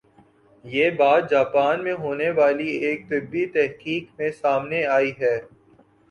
یہ بات جاپان میں ہونے والی ایک طبی تحقیق میں سامنے آئی ہے